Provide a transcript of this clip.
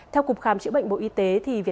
theo cục khám chữa bệnh bộ y tế